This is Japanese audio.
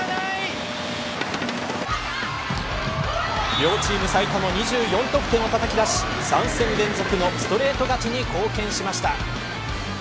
両チーム最多の２４得点をたたき出し３戦連続のストレート勝ちに貢献しました。